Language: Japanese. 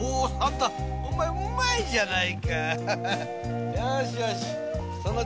うまいじゃないか。